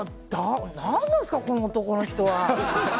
何なんですか、この男の人は。